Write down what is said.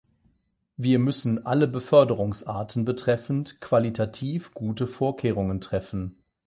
Wir müssen alle Beförderungsarten betreffend qualitativ gute Vorkehrungen treffen.